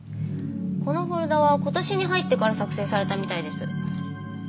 このフォルダは今年に入ってから作成されたみたいです。